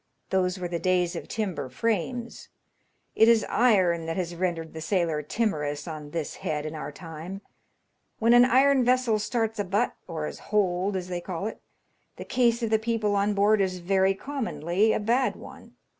Those were the days of timber frames. It is iron that has rendered the sailor timorous on this head in our time. When an iron vessel starts a butt, or is " holed " as they call it, the case of the people on board is very commonly a bad one.